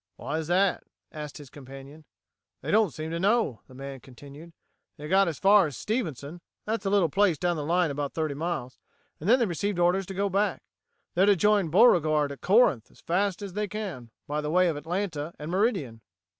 "Why is that?" asked his companion. "They don't seem to know," the man continued. "They got as far as Stevenson that's a little place down the line about thirty miles and then they received orders to go back. They're to join Beauregard at Corinth as fast as they can by the way of Atlanta and Meridian."